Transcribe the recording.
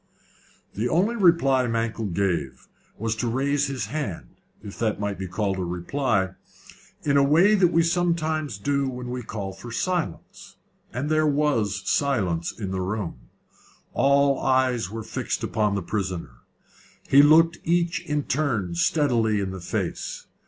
The only reply Mankell gave was to raise his hand if that might be called a reply in the way we sometimes do when we call for silence, and there was silence in the room. All eyes were fixed upon the prisoner. He looked each in turn steadily in the face.